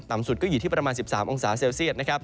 ต่ำสุดก็อยู่ที่ประมาณ๑๓องศาเซลเซียดนะครับ